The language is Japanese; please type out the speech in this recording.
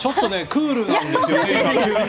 クールなんですよね。